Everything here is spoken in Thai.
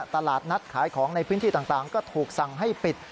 ตลาดนัดขายของในพื้นที่ต่างก็ถูกสั่งให้ปิด